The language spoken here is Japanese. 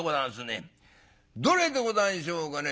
どれでござんしょうかね』